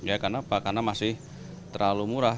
ya karena apa karena masih terlalu murah